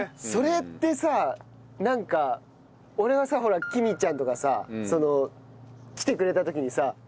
それってさなんか俺はさほらきみちゃんとかさ来てくれた時にさ。